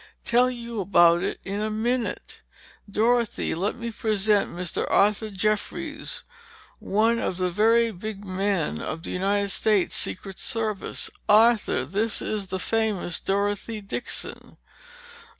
Tell you about it in a minute. Dorothy, let me present Mr. Arthur Jeffries, one of the very big men of the United States Secret Service. Arthur, this is the famous Dorothy Dixon!"